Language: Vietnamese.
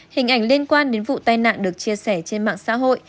hình ảnh liên quan đến vụ tai nạn được chia sẻ trên mạng xã hội